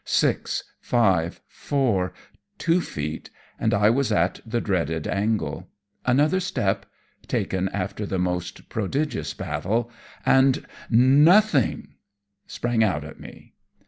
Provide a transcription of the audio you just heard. Six, five, four, two feet and I was at the dreaded angle. Another step taken after the most prodigious battle and NOTHING sprang out on me.